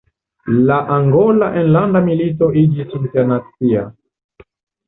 La Angola Enlanda Milito iĝis internacia.